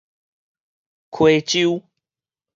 溪洲